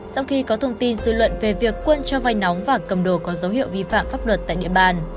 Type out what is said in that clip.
sau khi có thông tin dư luận về việc quân cho vai nóng và cầm đồ có dấu hiệu vi phạm pháp luật tại địa bàn